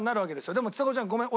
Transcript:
でもちさ子ちゃんごめん。